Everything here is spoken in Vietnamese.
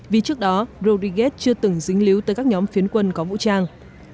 vì trước đó rodriguez chưa từng dính líu tới các nhóm phiến quân có vũ trang